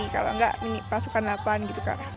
kalau enggak ini pasukan delapan gitu kak